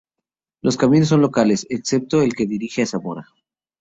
Los caminos son locales, excepto el que dirige a Zamora.